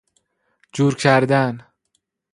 جور کردن